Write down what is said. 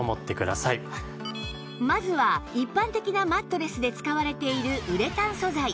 まずは一般的なマットレスで使われているウレタン素材